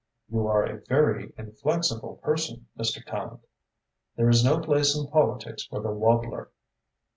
"You are a very inflexible person, Mr. Tallente." "There is no place in politics for the wobbler."